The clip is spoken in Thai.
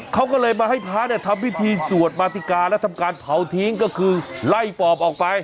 เขาก็เลยมาให้พระเนี่ยทำพิธีสวดมาติกาและทำการเผาทิ้งก็คือไล่ปอบออกไป